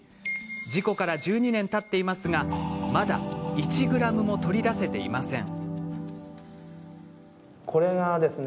事故から１２年たっていますがまだ１ｇも取り出せていません。